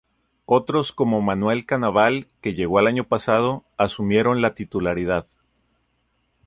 Otros como Manuel Canabal, que llegó el pasado año, asumieron la titularidad.